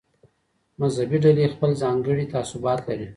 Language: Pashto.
مذهبي ډلې خپل ځانګړي تعصبات لري.